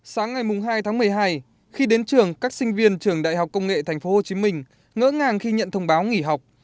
sáng ngày hai tháng một mươi hai khi đến trường các sinh viên trường đại học công nghệ tp hcm ngỡ ngàng khi nhận thông báo nghỉ học